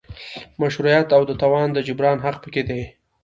مشروعیت او د تاوان د جبران حق پکې دی.